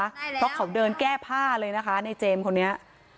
เพราะเขาเดินแก้ผ้าเลยนะคะในเจมส์คนนี้